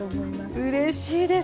うれしいです。